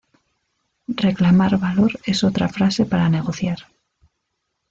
Reclamar valor es otra frase para negociar.